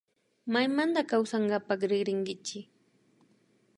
Maymanta kawsankapak rikrinkichi